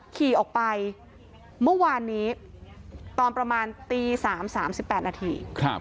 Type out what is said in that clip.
ขี่ออกไปเมื่อวานนี้ตอนประมาณตี๓๓๘นาที